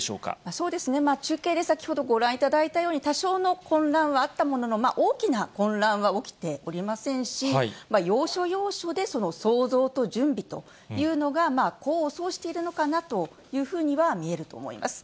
そうですね、中継で先ほどご覧いただいたように、多少の混乱はあったものの、大きな混乱は起きておりませんし、要所要所で想像と準備というのが功を奏しているのかなというふうには見えると思います。